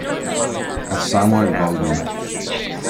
A Samuel Goldwyn